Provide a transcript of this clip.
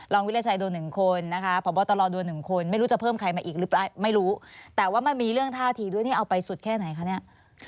ลองวิทยาชัยโดน๑คนนะครับเพราะว่าตลอดโดน๑คนไม่รู้จะเพิ่มใครมาอีกหรือไม่รู้แต่ว่ามันมีเรื่องท่าทีด้วยเนี่ยเอาไปสุดแค่ไหนคะเนี่ย